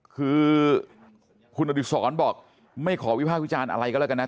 คือคุณอดิษรบอกไม่ขอวิภาควิจารณ์อะไรก็แล้วกันนะ